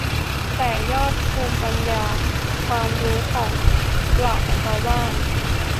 ต่อยอดภูมิปัญญาความรู้ของปราชญ์ชาวบ้าน